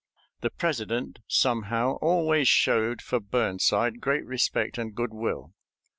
The President somehow always showed for Burnside great respect and good will.